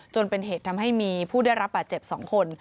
จนเป็นเหตุทำให้มีผู้ได้รับบาดเจ็บ๒คน